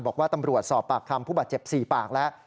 บอกว่าตำรวจสอบปากคำผู้บาดเจ็บ๔ปากแล้ว